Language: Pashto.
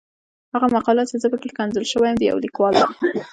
هغه مقاله چې زه پکې ښکنځل شوی یم د يو ليکوال ده.